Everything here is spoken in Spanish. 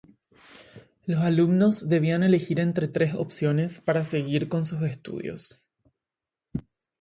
Los alumnos debían elegir entre tres opciones para seguir con sus estudios.